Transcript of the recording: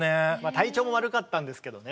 体調も悪かったんですけどね。